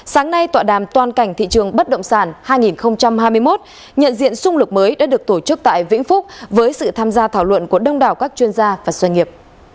sáng nay tọa đàm toàn cảnh thị trường bất động sản hai nghìn hai mươi một nhận diện xung lực mới đã được tổ chức tại vĩnh phúc với sự tham gia thảo luận của đông đảo các chuyên gia và doanh nghiệp